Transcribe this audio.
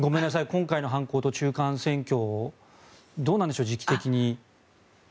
今回の犯行と中間選挙どうなんでしょう、時期的に。